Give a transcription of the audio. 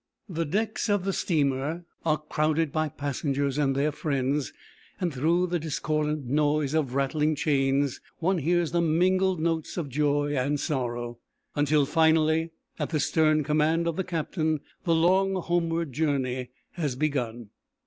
The decks of the steamer are crowded by passengers and their friends, and through the discordant noise of rattling chains one hears the mingled notes of joy and sorrow, until finally at the stern command of the captain the long homeward journey has begun.